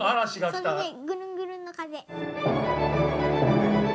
それにぐるんぐるんの風。